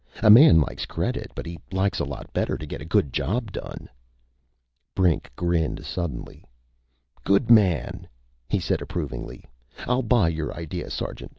"A man likes credit, but he likes a lot better to get a good job done!" Brink grinned suddenly. "Good man!" he said approvingly. "I'll buy your idea, sergeant.